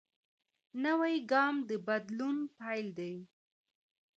نوی ګام د بدلون پیل دی